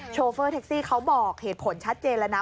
โฟเฟอร์แท็กซี่เขาบอกเหตุผลชัดเจนแล้วนะ